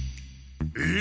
えっ？